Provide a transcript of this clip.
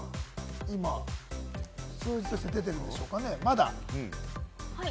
今、数字として出ているでしょうかね。